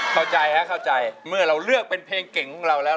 เข้าใจฮะเข้าใจเมื่อเราเลือกเป็นเพลงเก่งของเราแล้ว